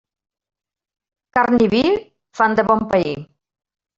Carn i vi fan de bon pair.